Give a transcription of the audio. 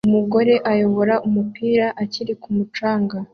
Umusore 'ayoboye' umupira akiri ku mucanga